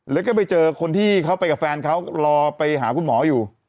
แล้วก็ไปเจอคนที่เขาไปกับแฟนเขารอไปหาคุณหมออยู่